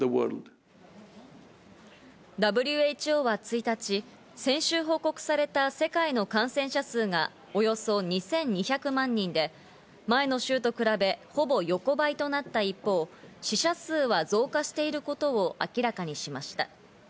ＷＨＯは１日、先週報告された世界の感染者数がおよそ２２００万人で、前の週と比べ、ほぼ横ばいとなった一方、死者数は増加していることを明らかにしました。